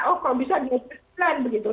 oh kalau bisa diajarkan